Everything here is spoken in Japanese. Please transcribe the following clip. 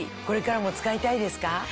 これからも使いたいですか？